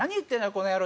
この野郎！」